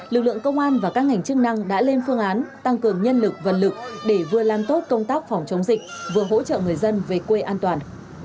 lực lượng công an và các ngành chức năng đã lên phương án tăng cường nhân lực vật lực để vừa làm tốt công tác phòng chống dịch vừa hỗ trợ người dân về quê an toàn